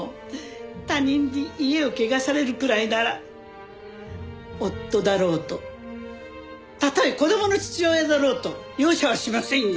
他人に家を汚されるくらいなら夫だろうとたとえ子供の父親だろうと容赦はしませんよ。